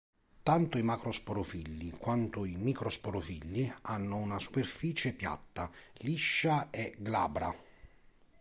Tanto i macrosporofilli, quanto i microsporofilli hanno una superficie piatta, liscia e glabra.